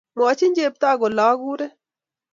Mwochi Cheptoo kole agure